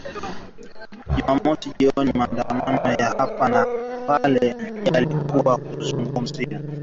Jumamosi jioni maandamano ya hapa na pale yalizuka miongoni mwa wa-shia katika ufalme wa karibu huko nchini Pakistani